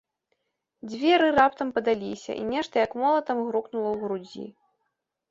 Дзверы раптам падаліся, і нешта, як молатам, грукнула ў грудзі.